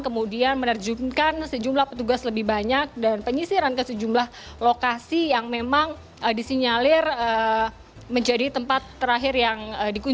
kemudian menerjunkan sejumlah petugas lebih banyak dan penyisiran ke sejumlah lokasi yang memang disinyalir menjadi tempat terakhir yang dikunjung